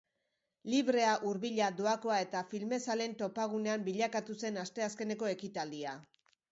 Librea, hurbila, doakoa, eta filmezaleen topagunean bilakatu zen asteazkeneko ekitaldia.